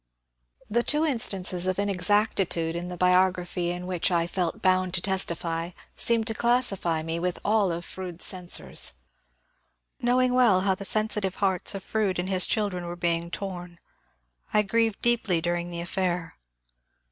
The two instances of inexactitude in the biography in which I felt bound to testify seemed to classify me with all of Fronde's censors. Knowing well how the sehsitive hearts of Fronde and his children were being torn, I grieved deeply during the affair.